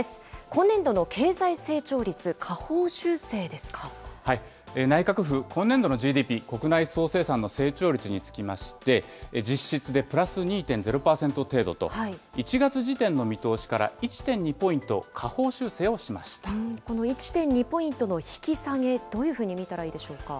今年度の経済成長率、下方修正で内閣府、今年度のＧＤＰ・国内総生産の成長率につきまして、実質でプラス２．０％程度と、１月時点の見通しから１．２ポイント下方修正をこの１．２ポイントの引き下げ、どういうふうに見たらいいでしょうか。